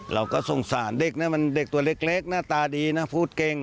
เราก็สงสารเด็กนะมันเด็กตัวเล็กหน้าตาดีนะพูดเก่ง